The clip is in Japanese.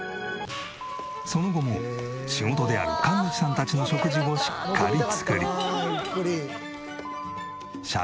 その後も仕事である神主さんたちの食事をしっかり作り。